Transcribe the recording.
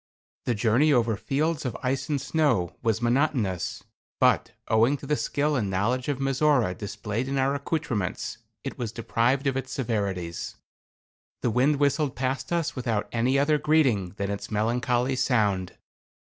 The journey over fields of ice and snow was monotonous, but, owing to the skill and knowledge of Mizora displayed in our accoutrements, it was deprived of its severities. The wind whistled past us without any other greeting than its melancholy sound.